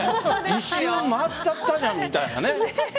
一周回っちゃったじゃんみたいなね。